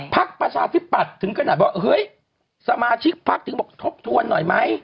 ประชาธิปัตย์ถึงขนาดว่าเฮ้ยสมาชิกพักถึงบอกทบทวนหน่อยไหม